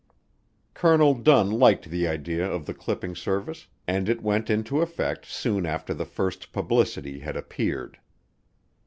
Colonel Dunn liked the idea of the clipping service, and it went into effect soon after the first publicity had appeared.